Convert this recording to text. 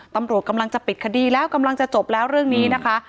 ตำรวจกำลังจะปิดคดีแล้วกำลังจะจบแล้วเรื่องนี้นะคะ